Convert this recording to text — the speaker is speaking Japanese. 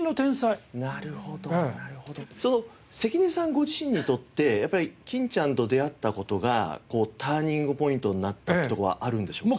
ご自身にとってやっぱり欽ちゃんと出会った事がターニングポイントになったっていうところはあるんでしょうか？